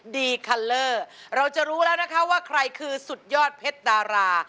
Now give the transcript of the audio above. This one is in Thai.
ดีคัลเลอร์เราจะรู้แล้วนะคะว่าใครคือสุดยอดเพชรดารา